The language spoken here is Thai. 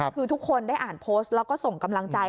คือทุกคนได้อ่านโพสต์แล้วก็ส่งกำลังใจ